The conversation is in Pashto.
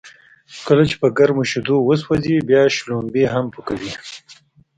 کله چې په گرمو شیدو و سوځې، بیا به شړومبی هم پو کوې.